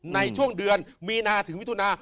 ในช่วงเดือนมีนาถึงมิถุนา